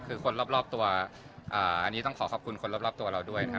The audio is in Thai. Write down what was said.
คือคนรอบตัวอันนี้ต้องขอขอบคุณคนรอบตัวเราด้วยนะครับ